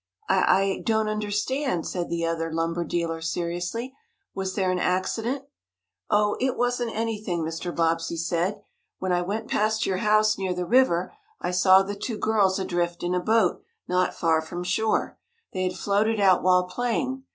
"I I don't understand," said the other lumber dealer, seriously. "Was there an accident?" "Oh, it wasn't anything," Mr. Bobbsey said. "When I went past your house, near the river, I saw the two girls adrift in a boat, not far from shore. They had floated out while playing.